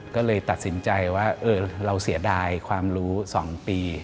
ก็เลยตัดสินใจว่าเราเสียดายความรู้๒ปี